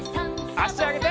あしあげて。